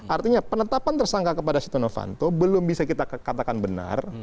artinya penetapan tersangka kepada sitonofanto belum bisa kita katakan benar